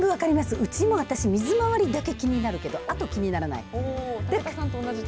うちも、私、水まわりだけ気になるけど、あと、気にならない。